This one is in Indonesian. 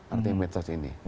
artinya medsos ini